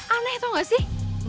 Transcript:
aneh tau gak sih